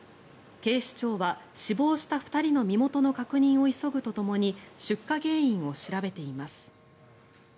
警視庁は死亡した２人の身元の確認を急ぐとともに出火原因を調べています。